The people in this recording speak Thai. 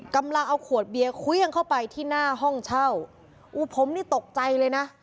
กำลังเอาขวดเบียร์เครื่องเข้าไปที่หน้าห้องเช่าอู้ผมนี่ตกใจเลยนะ